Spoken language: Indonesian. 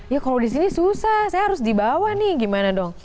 ya kalau disini susah saya harus di bawah nih gimana dong